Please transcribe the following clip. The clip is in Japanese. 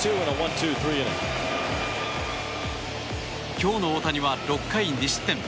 今日の大谷は６回２失点。